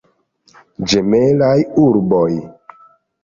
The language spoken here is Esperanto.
Ĝemelaj urboj.